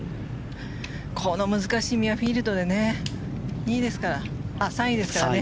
この難しいミュアフィールドで３位ですからね。